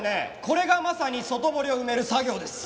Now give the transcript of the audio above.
これがまさに外堀を埋める作業です。